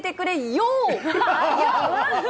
よー！